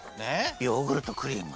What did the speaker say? ヨーグルトクリーム。